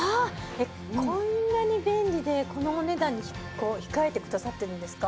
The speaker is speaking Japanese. えっこんなに便利でこのお値段に控えてくださってるんですか？